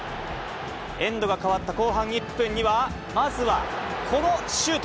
エンドが変わった後半１分には、まずはこのシュート。